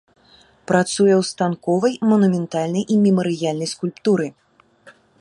Працуе ў станковай, манументальнай і мемарыяльнай скульптуры.